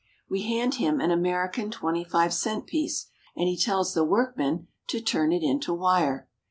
We hand him an American twenty five cent piece, and he tells the workmen to turn it into wire.